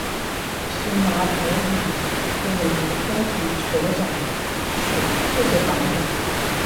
此码头由土木工程拓展署负责保养。